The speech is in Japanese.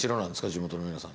地元の皆さん。